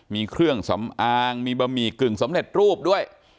มีเครื่องสำอางมีบะหมี่กึ่งสำเร็จรูปด้วย